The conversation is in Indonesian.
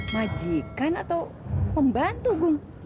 majikan atau pembantu gung